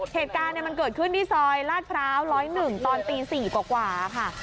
เหตุการณ์มันเกิดขึ้นที่ซอยลาดพร้าว๑๐๑ตอนตี๔กว่าค่ะ